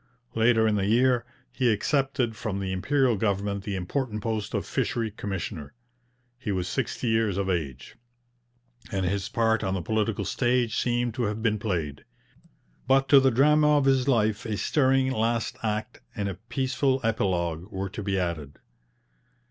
Later in the year he accepted from the Imperial government the important post of Fishery Commissioner. He was sixty years of age, and his part on the political stage seemed to have been played. But to the drama of his life a stirring last act and a peaceful epilogue were to be added.